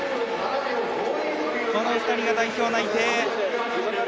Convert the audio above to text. この２人が代表内定。